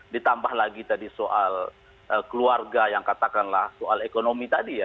ditambah lagi tadi soal keluarga yang katakanlah soal ekonomi tadi ya